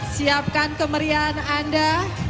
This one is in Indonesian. siapkan kemerian anda